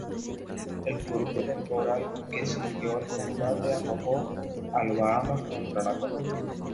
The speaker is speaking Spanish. El furioso temporal que siguió al combate arrojó al "Bahama" contra la costa.